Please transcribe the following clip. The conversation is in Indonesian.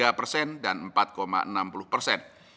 yaitu empat tiga puluh tiga persen dan empat enam puluh persen